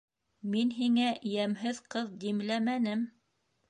Мин һиңә йәмһеҙ ҡыҙ димләмәнем.